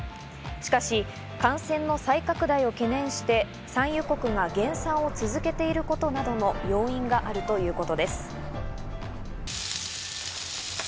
しかし、感染の再拡大を懸念して産油国が減産を続けていることなどの要因があるということです。